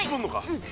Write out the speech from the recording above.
うん。